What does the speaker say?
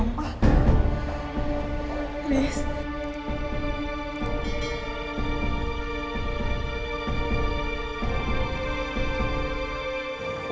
makasih ya dok